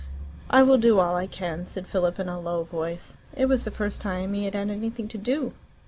"I will do all I can," said Philip in a low voice. It was the first time he had had anything to do.